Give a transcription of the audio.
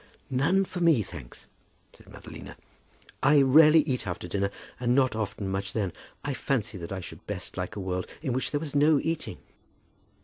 "None for me, thanks," said Madalina. "I rarely eat after dinner, and not often much then. I fancy that I should best like a world in which there was no eating."